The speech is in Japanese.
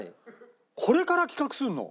これから企画するの？